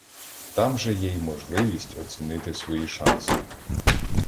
Там же є й можливість оцінити свої шанси